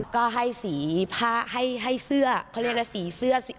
ก็ให้สีผ้าให้เสื้อเขาเรียกอะไรสีเสื้อสี